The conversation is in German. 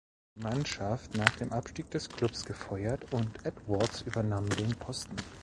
Mannschaft, nach dem Abstieg des Clubs gefeuert und Edwards übernahm den Posten.